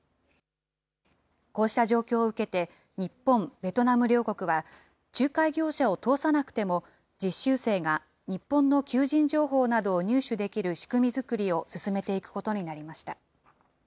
こうした状況を受けて、日本、ベトナム両国は、仲介業者を通さなくても、実習生が日本の求人情報などを入手できる仕組み作りを進めていくことになりました。